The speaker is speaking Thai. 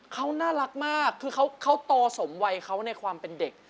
เขาน่ารักมากคือเขาโตสมวัยเขาในความเป็นเด็ก